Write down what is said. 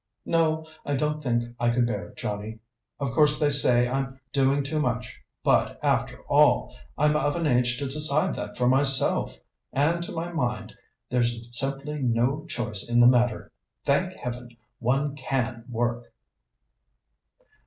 "No. I don't think I could bear it, Johnnie. Of course they say I'm doing too much, but, after all, I'm of an age to decide that for myself, and to my mind there's simply no choice in the matter. Thank Heaven one can work!"